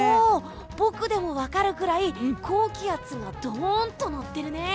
僕でも分かるくらい高気圧がどーんと乗ってるね。